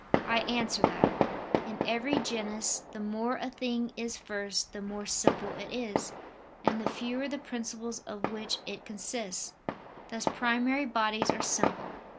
I answer that, In every genus, the more a thing is first, the more simple it is, and the fewer the principles of which it consists: thus primary bodies are simple.